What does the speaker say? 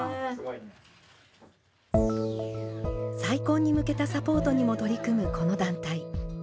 再婚に向けたサポートにも取り組むこの団体。